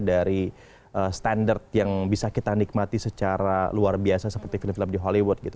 dari standard yang bisa kita nikmati secara luar biasa seperti film film di hollywood gitu